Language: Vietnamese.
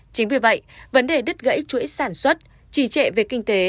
chính vì vậy vấn đề đứt gãy chuỗi sản xuất trì trệ về kinh tế